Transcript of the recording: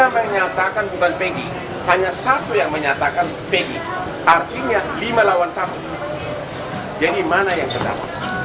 yang menyatakan bukan pg hanya satu yang menyatakan pg artinya lima lawan satu jadi mana yang sedang